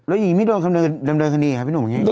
แล้วยิ่งไม่โดนการเดินคณีหรือครับพี่หนู